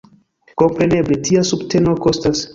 Kompreneble, tia subteno kostas.